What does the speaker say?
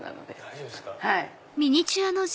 大丈夫ですか。